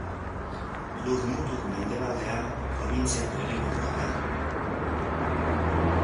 Lurmutur Mendebaldea probintziako hiriburua da.